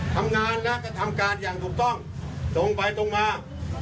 ทำงานและกระทำการอย่างถูกต้องตรงไปตรงมา